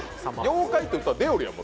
「了解」って打ったら出よるやん